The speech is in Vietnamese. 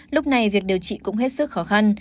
lúc này việc điều trị cũng hết sức khó khăn